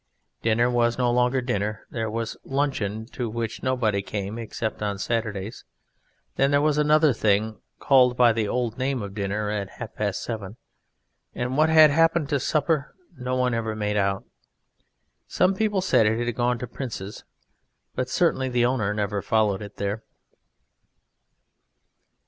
Dinner was no longer dinner; there was "luncheon" to which nobody came except on Saturdays. Then there was another thing (called by the old name of dinner) at half past seven, and what had happened to supper no one ever made out. Some people said it had gone to Prince's, but certainly the Owner never followed it there.